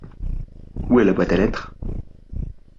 Où est la boîte à lettres ?